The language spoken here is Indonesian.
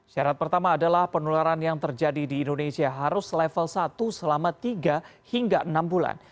syarat pertama adalah penularan yang terjadi di indonesia harus level satu selama tiga hingga enam bulan